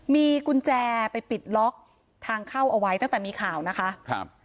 มีกุญแจไปปิดล็อกทางเข้าเอาไว้ตั้งแต่มีข่าวนะคะครับ